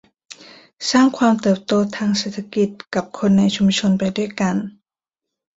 สร้างความเติบโตทางเศรษฐกิจกับคนในชุมชนไปด้วยกัน